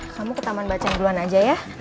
kamu ke taman baca duluan aja ya